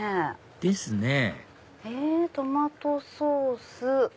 ですね「トマトソース」。